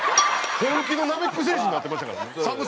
本気のナメック星人になってましたからね寒すぎて。